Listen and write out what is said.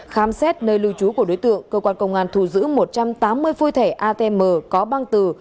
khám xét nơi lưu trú của đối tượng cơ quan công an thu giữ một trăm tám mươi phôi thẻ atm có băng từ